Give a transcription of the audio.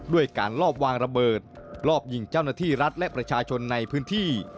ด้วยการลอบวางระเบิดรอบยิงเจ้าหน้าที่รัฐและประชาชนในพื้นที่